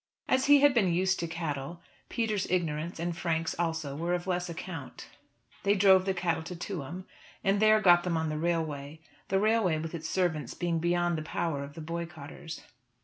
As he had been used to cattle, Peter's ignorance and Frank's also were of less account. They drove the cattle to Tuam, and there got them on the railway, the railway with its servants being beyond the power of the boycotters.